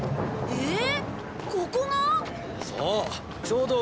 えっ！